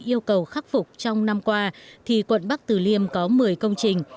yêu cầu khắc phục trong năm qua thì quận bắc tử liêm có một mươi công trình